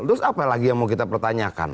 terus apa lagi yang mau kita pertanyakan